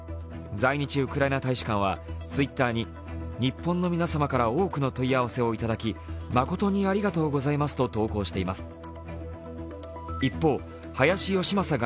在日ウクライナ大使館は、Ｔｗｉｔｔｅｒに日本の皆様から多くの問い合わせをいただき誠にありがとうございますと投稿しています。